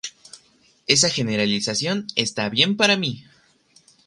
Esa generalización está bien para mí.